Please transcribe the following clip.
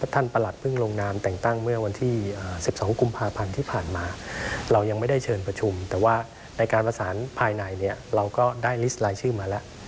ประหลัดเพิ่งลงนามแต่งตั้งเมื่อวันที่๑๒กุมภาพันธ์ที่ผ่านมาเรายังไม่ได้เชิญประชุมแต่ว่าในการประสานภายในเนี่ยเราก็ได้ลิสต์รายชื่อมาแล้ว